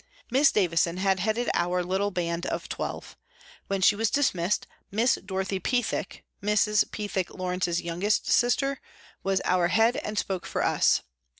Miss Davison had headed our little band of twelve ; when she was dismissed, Miss Dorothy Pethick, Mrs. Pethick Lawrence's youngest sister, was our head and spoke for us.